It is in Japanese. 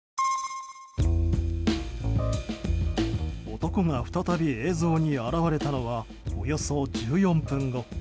男が再び映像に現れたのはおよそ１４分後。